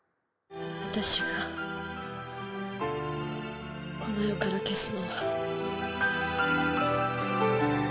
私がこの世から消すのは。